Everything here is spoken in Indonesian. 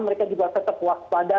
mereka juga tetap waspada